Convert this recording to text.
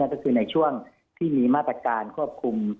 ก็คือในช่วงที่มีมาตรการควบคุม